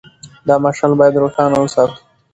دا مشعل باید روښانه وساتو.